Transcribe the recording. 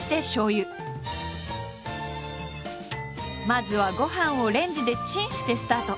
まずはご飯をレンジでチンしてスタート。